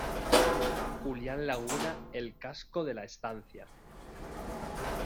Julián Laguna el casco de la estancia.